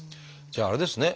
じゃああれですね